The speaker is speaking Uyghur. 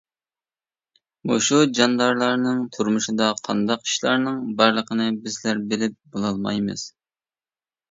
مۇشۇ جاندارلارنىڭ تۇرمۇشىدا قانداق ئىشلارنىڭ بارلىقىنى بىزلەر بىلىپ بولالمايمىز.